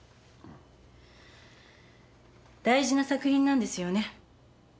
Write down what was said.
大事な作品なんですよね？